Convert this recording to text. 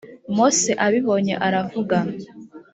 mose abibonye aravuga.